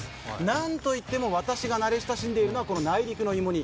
なんといっても私が慣れ親しんでいるのは内陸の芋煮。